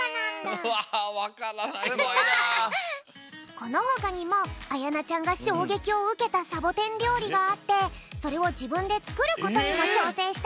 このほかにもあやなちゃんがしょうげきをうけたサボテンりょうりがあってそれをじぶんでつくることにもちょうせんしたんだよ。